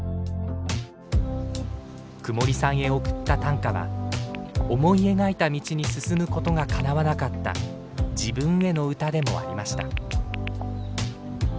くもりさんへ送った短歌は思い描いた道に進むことがかなわなかった自分への歌でもありました。